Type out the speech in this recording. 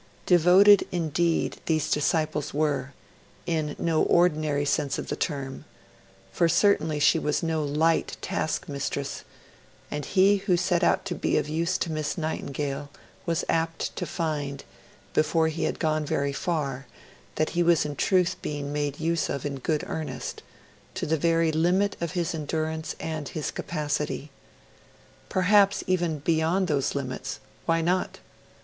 Devoted, indeed, these disciples were, in no ordinary sense of the term; for certainly she was no light taskmistress, and he who set out to be of use to Miss Nightingale was apt to find, before he had gone very far, that he was in truth being made use of in good earnest to the very limit of his endurance and his capacity. Perhaps, even beyond those limits; why not?